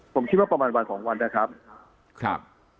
ผมคิดว่าประมาณวันสองวันนะครับ